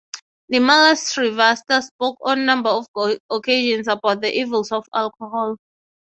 Nirmala Srivastava spoke on a number of occasions about the evils of alcohol.